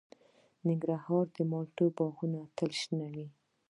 د ننګرهار د مالټو باغونه تل شنه وي.